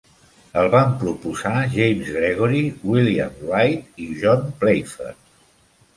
El van proposar James Gregory, William Wright i John Playfair.